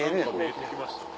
見えてきました。